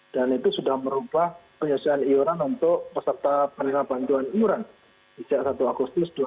dan itu sudah merubah penyelesaian iuran untuk peserta penerbangan imuran